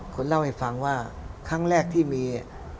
คนเล่าให้ฟังว่าครั้งแรกที่มี